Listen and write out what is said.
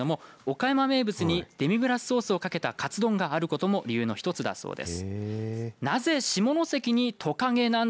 岡山名物にデミグラスソースをかけた、かつ丼があることも理由の１つだそうです。